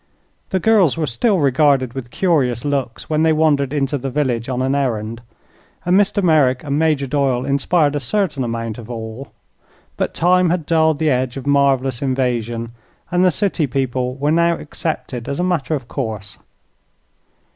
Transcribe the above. The girls were still regarded with curious looks when they wandered into the village on an errand, and Mr. Merrick and Major Doyle inspired a certain amount of awe; but time had dulled the edge of marvelous invasion and the city people were now accepted as a matter of course.